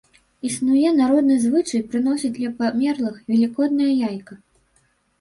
Існуе народны звычай прыносіць для памерлых велікоднае яйка.